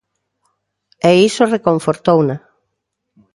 E iso reconfortouna.